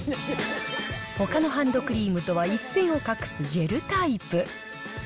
ほかのハンドクリームとは一線を画すジェルタイプ。